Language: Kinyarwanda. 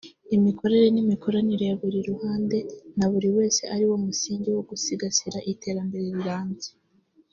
imikorere n’imikoranire ya buri ruhande na buri wese ari wo musingi wo gusigasira iterambere rirambye